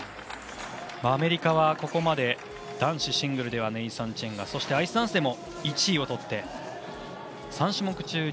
アメリカは、ここまで男子シングルではネイサン・チェンがそしてアイスダンスでも１位をとって３種目中